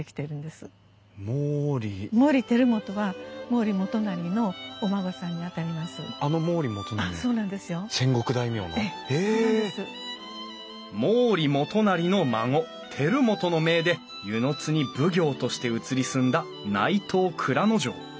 毛利元就の孫輝元の命で温泉津に奉行として移り住んだ内藤内蔵丞。